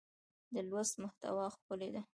د لوست محتوا ښکلې ده.